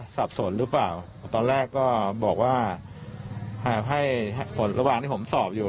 สับสนหรือเปล่าตอนแรกก็บอกว่าให้ผลระหว่างที่ผมสอบอยู่